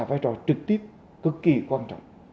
là vai trò trực tiếp cực kỳ quan trọng